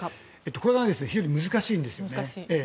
これは非常に難しいんですよね。